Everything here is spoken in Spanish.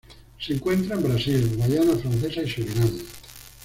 Se encuentra en Brasil, Guayana Francesa y Surinam.